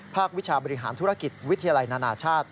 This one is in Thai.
วิชาบริหารธุรกิจวิทยาลัยนานาชาติ